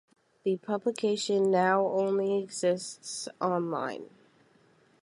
The publication now only exists online.